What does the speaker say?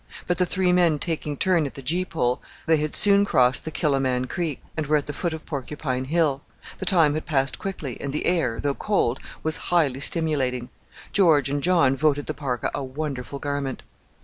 But the three men taking turn at the gee pole, they had soon crossed Kill a man Creek, and were at the foot of Porcupine Hill. The time had passed quickly, and the air, though cold, was highly stimulating. George and John voted the parka a wonderful garment.